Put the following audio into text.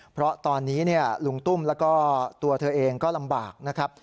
เพราะตอนนี้ลุงตุ้มแล้วก็ตัวเธอเองก็ลำบากนะครับ